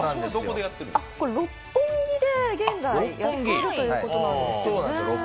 六本木で現在やっているということなんですね。